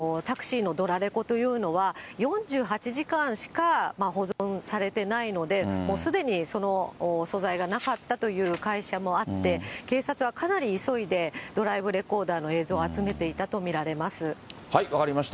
ただ、一部の会社によるとですね、タクシーのドラレコというのは、４８時間しか保存されてないので、もうすでにその素材がなかったという会社もあって、警察はかなり急いでドライブレコーダーの映像を集めていたと見ら分かりました。